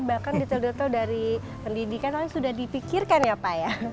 bahkan detail detail dari pendidikan namanya sudah dipikirkan ya pak ya